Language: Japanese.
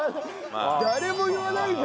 誰も言わないんだ！